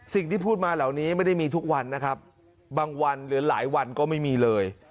สิ่งที่พูดมาเหล่านี้ไม่ได้มีทุกวันนะครับบางวันหรือหลายวันก็ไม่มีเลย